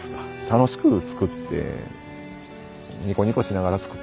楽しく作ってニコニコしながら作っ